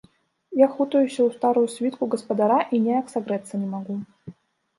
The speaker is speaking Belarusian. Я хутаюся ў старую світку гаспадара і ніяк сагрэцца не магу.